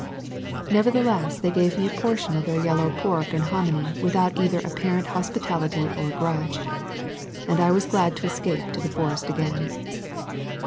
Nevertheless, they gave me a portion of their yellow pork and hominy without either apparent hospitality or a grudge, and I was glad to escape to the forest again.